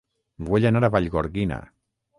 Vull anar a Vallgorguina